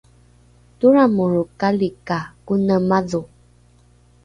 toramorokali ka kone madho